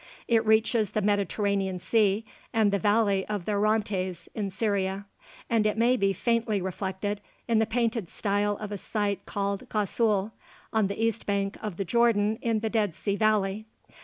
It reaches the Mediterranean Sea and the valley of the Orontes in Syria, and it may be faintly reflected in the painted style of a site called Ghassul, on the east bank of the Jordan in the Dead Sea Valley.